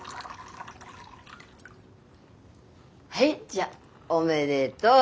はいじゃあおめでとう。